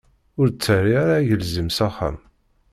Ur d-terri ara agelzim s axxam.